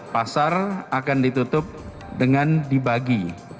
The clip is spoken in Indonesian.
pasar akan ditutup dengan dibagi